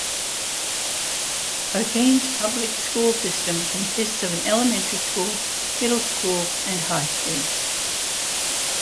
Okeene's public school system consists of an elementary school, middle school, and high school.